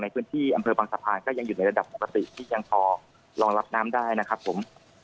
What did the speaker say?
ในพื้นที่อำเภอบางสะพานก็ยังอยู่ในระดับปกติที่ยังพอรองรับน้ำได้นะครับผม